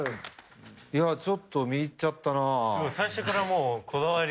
いやちょっと見入っちゃったな。